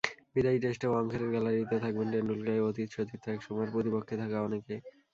বিদায়ী টেস্টে ওয়াংখেড়ের গ্যালারিতে থাকবেন টেন্ডুলকারের অতীত সতীর্থ, একসময়ের প্রতিপক্ষে থাকা অনেকে।